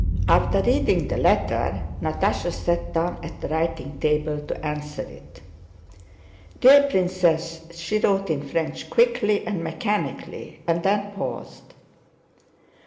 After reading the letter Natásha sat down at the writing table to answer it. "Dear Princess," she wrote in French quickly and mechanically, and then paused.